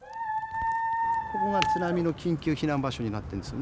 ここが津波の緊急避難場所になっているんですね。